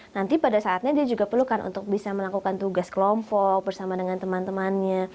nanti pada saatnya dia juga perlukan untuk bisa melakukan tugas kelompok bersama dengan teman temannya